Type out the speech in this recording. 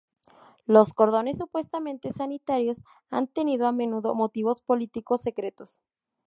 Los cordones supuestamente sanitarios han tenido a menudo motivos políticos secretos.